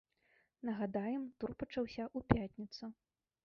Нагадаем, тур пачаўся ў пятніцу.